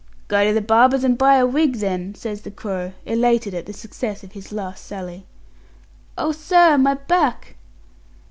"Go to the barber's and buy a wig, then!" says the "Crow", elated at the success of his last sally. "Oh, sir, my back!"